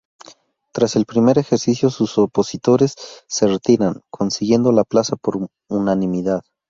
Tras el primer ejercicio, sus opositores se retiran, consiguiendo la plaza por unanimidad.